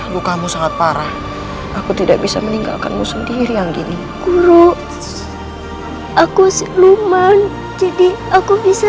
mukamu sangat parah aku tidak bisa meninggalkanmu sendiri yang gini guru aku lumen jadi aku bisa